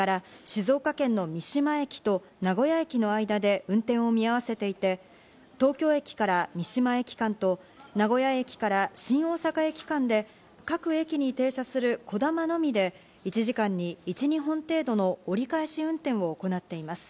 今日も始発から静岡県の三島駅と名古屋駅の間で運転を見合わせていて、東京駅から三島駅間と、名古屋駅から新大阪駅間で各駅に停車するこだまのみで、１時間に１、２本程度の折り返し運転を行っています。